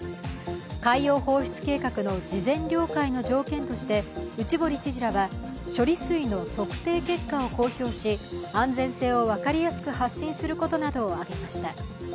海洋放出計画の事前了解の条件として内堀知事らは処理水の測定結果を公表し、安全性を分かりやすく発信することなどを挙げました。